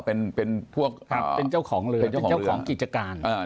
เป็นเจ้าของเรือเจ้าของกิจการ